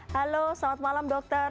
halo selamat malam dokter